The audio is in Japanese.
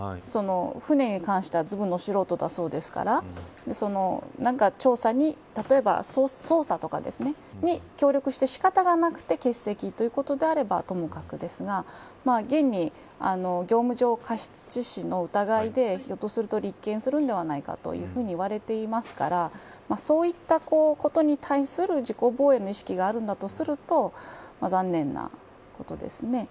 船に関してはずぶの素人だそうですから何か調査に、例えば捜査とかに協力して、仕方がなくて欠席ということであればともかくですが現に、業務上過失致死の疑いでひょっとすると立件するんではないかと言われていますからそういったことに対する自己防衛の意識があるんだとすると残念なことですね。